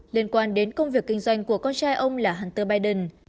liên quan đến công việc kinh doanh của con trai ông là hunter biden